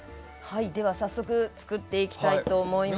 早速作っていきたいと思います。